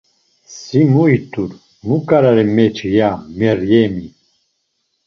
“Si mu it̆ur? Mu ǩarari meçi?” ya Meryemi.